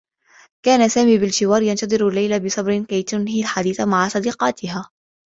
كان سامي بالجوار، ينتظر ليلى بصبر كي تنهي الحديث مع صديقاتها.